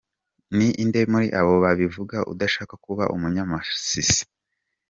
Ni inde muri abo babivuga undusha kuba umunyamasisi?